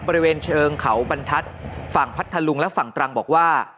บริเวณเชิงเขาบรรทัศน์ฝั่งพัทธลุงและฝั่งตรังบอกว่า